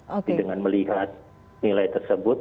jadi dengan melihat nilai tersebut